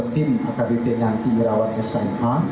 tahu buku tawanan